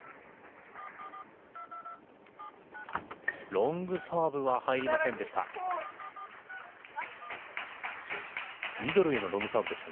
ロングサーブは入りませんでした。